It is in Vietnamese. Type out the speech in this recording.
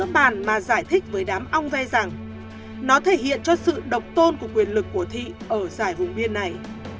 có một bản mà giải thích với đám ông ve rằng nó thể hiện cho sự độc tôn của quyền lực của thị ở giải vùng biên này